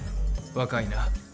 若いな。